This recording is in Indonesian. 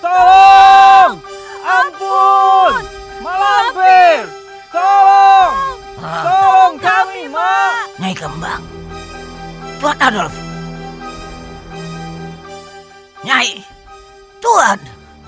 tolong ampun malamir tolong tolong kami mau nyai kembang buat adolf nyai tuhan